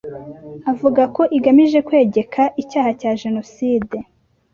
avuga ko igamije kwegeka icyaha cya jenoside